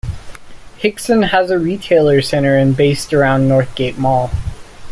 Hixson has a retail center based around Northgate Mall.